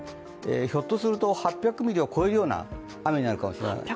ひょっとすると８００ミリを超えるような雨になるかもしれない。